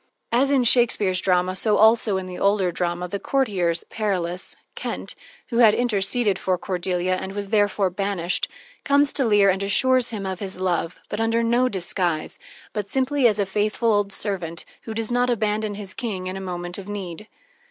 As in Shakespeare's drama, so also in the older drama, the courtiers, Perillus Kent who had interceded for Cordelia and was therefore banished comes to Leir and assures him of his love, but under no disguise, but simply as a faithful old servant who does not abandon his king in a moment of need.